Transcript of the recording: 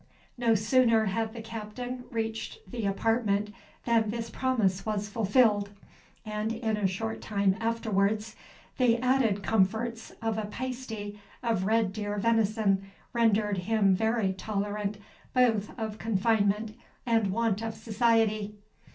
No sooner had the Captain reached the apartment than this promise was fulfilled; and, in a short time afterwards, the added comforts of a pasty of red deer venison rendered him very tolerant both of confinement and want of society.